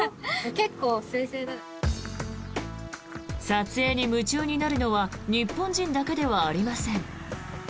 撮影に夢中になるのは日本人だけではありません。